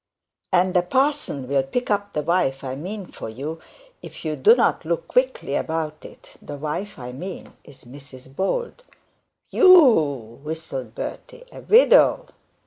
'And a parson will pick up the wife I meant for you, if you do not look quickly about it; the wife I mean is Mrs Bold.' 'Whew w w w!' whistled Bertie, 'a widow!'